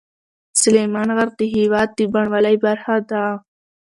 سلیمان غر د هېواد د بڼوالۍ برخه ده.